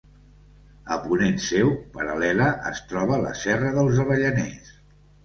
A ponent seu, paral·lela, es troba la Serra dels Avellaners.